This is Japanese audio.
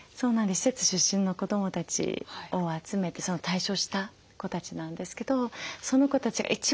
施設出身の子どもたちを集めて退所した子たちなんですけどその子たちが一番キラキラしている。